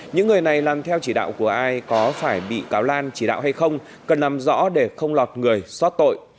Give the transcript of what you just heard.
những người này làm theo chỉ đạo của ai có phải bị cáo lan chỉ đạo hay không cần làm rõ để không lọt người xót tội